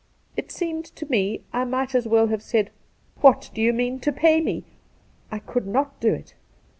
It seemed to me I might as well have said, " What do you mean to pay me?" I could not do it.